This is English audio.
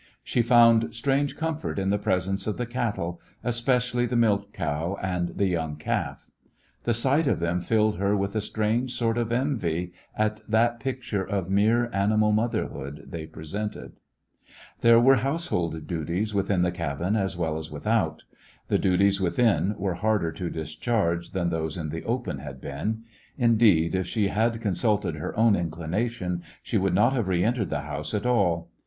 She found strange comfort in the presence of the cattle, especially the milch cow and the young calf. The sight of them filled her with a A Christmas When strange sort of envy at that picture of mere animal motherhood they presented. There were household duties with in the cahin as well as without. The duties within were harder to dis charge than those in the open had been. Indeed, if she had consulted her own inclination, she would not have reentered the house at all.